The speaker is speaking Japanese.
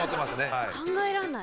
考えらんない。